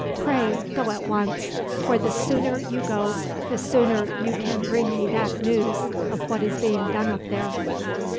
Pray go at once, for the sooner you go the sooner you can bring me back news of what is being done up there."